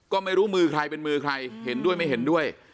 ก็ไม่รู้มือใครเป็นมือใครเห็นด้วยไม่เห็นด้วย